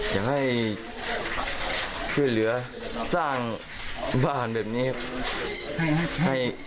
อยากให้ช่วยเหลือสร้างบ้านแบบนี้ครับ